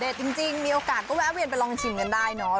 จริงมีโอกาสก็แวะเวียนไปลองชิมกันได้เนอะ